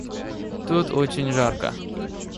Тут очень жарко.